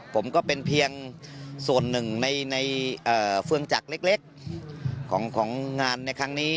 ผมก็เป็นเพียงส่วนหนึ่งในเฟืองจักรเล็กของงานในครั้งนี้